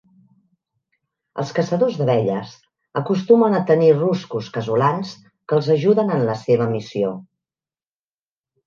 Els caçadors d'abelles acostumen a tenir ruscos casolans que els ajuden en la seva missió.